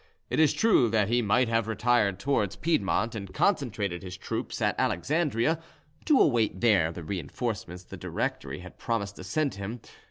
It is true that he might have retired towards Piedmont and concentrated his troops at Alexandria, to await there the reinforcements the Directory had promised to send him.